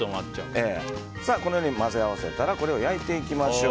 このように混ぜ合わせたらこれを焼いていきましょう。